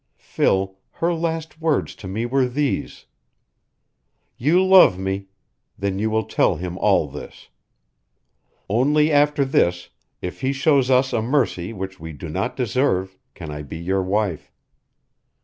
Phil, her last words to me were these: 'You love me. Then you will tell him all this. Only after this, if he shows us a mercy which we do not deserve, can I be your wife.'